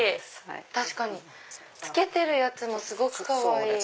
確かに着けてるやつもすごくかわいい！